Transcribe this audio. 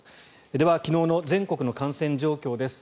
では昨日の全国の感染状況です。